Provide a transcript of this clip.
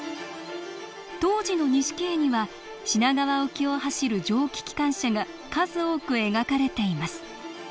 当時の錦絵には品川沖を走る蒸気機関車が数多く描かれています。